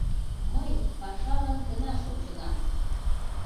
Мый пашалан гына шочынам.